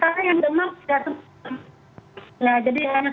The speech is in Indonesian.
karena yang demam sudah semakin banyak